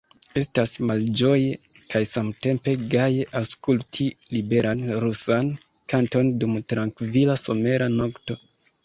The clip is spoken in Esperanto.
Estas malĝoje kaj samtempe gaje aŭskulti liberan rusan kanton dum trankvila somera nokto.